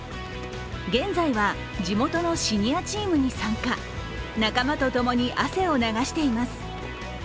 現在は、地元のシニアチームに参加仲間と共に汗を流しています。